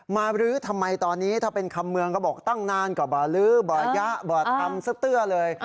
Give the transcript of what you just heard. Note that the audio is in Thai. ลื้อทำไมตอนนี้ถ้าเป็นคำเมืองก็บอกตั้งนานกว่าบ่อลื้อบ่อยะบ่อทำซะเตื้อเลย